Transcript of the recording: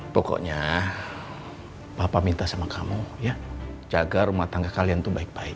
pokoknya papa minta sama kamu ya jaga rumah tangga kalian itu baik baik